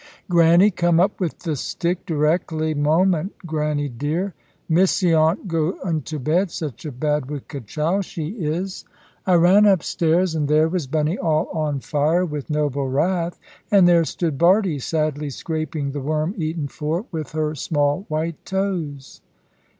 "Granny, come up with the stick dreckly moment, granny dear! Missy 'ont go into bed. Such a bad wicked child she is." I ran up stairs, and there was Bunny all on fire with noble wrath, and there stood Bardie sadly scraping the worm eaten floor with her small white toes.